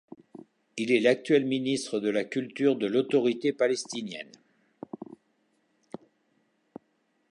Il est l'actuel ministre de la Culture de l'Autorité palestinienne.